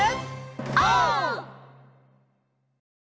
オー！